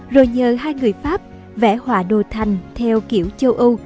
rồi nhờ hai người pháp vẽ họa đồ thành theo kiểu châu âu